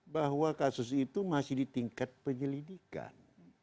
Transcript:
bahwa kasus itu masih di tingkat penyelidikan